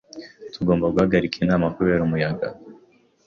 Tugomba guhagarika inama kubera umuyaga.